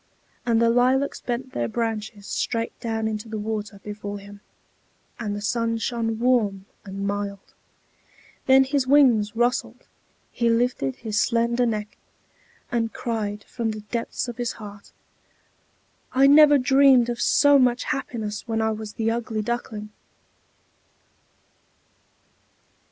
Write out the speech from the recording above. And the lilacs bent their branches straight down into the water before him, and the sun shone warm and mild. Then his wings rustled, he lifted his slender neck, and cried from the depths of his heart: "I never dreamed of so much happiness when I was the Ugly Duckling."